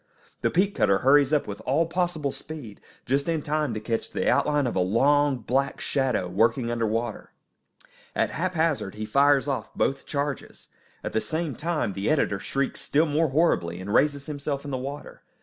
The peat cutter hurries up with all possible speed, just in time to catch the outline of a long, black shadow, working under water. At haphazard he fires off both charges. At the same time the editor shrieks still more horribly, and raises himself in the water.